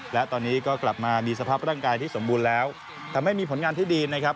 และตอนนี้ก็กลับมามีสภาพร่างกายที่สมบูรณ์แล้วทำให้มีผลงานที่ดีนะครับ